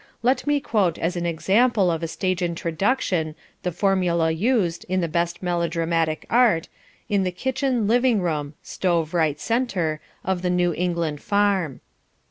Let me quote as an example of a stage introduction the formula used, in the best melodramatic art, in the kitchen living room (stove right centre) of the New England farm.